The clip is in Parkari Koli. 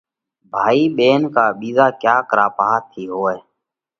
ڀائِي ٻينَ ڪا ٻِيزا ڪياڪ را پاها ٿِي هوئہ۔